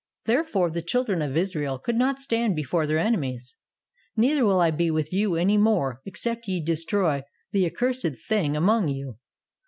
Therefore the children of Israel could not stand before their enemies .... neither will I be with you any more, except ye destroy the accursed thing among you.